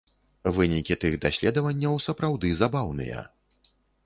Вынікі тых даследаванняў сапраўды забаўныя.